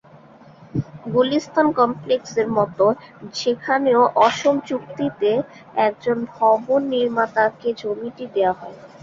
গুলিস্তান কমপ্লেক্সের মতো সেখানেও অসম চুক্তিতে একজন ভবন নির্মাতাকে জমিটি দেওয়া হয়।